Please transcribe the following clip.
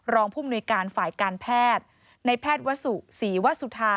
ผู้มนุยการฝ่ายการแพทย์ในแพทย์วสุศรีวสุธา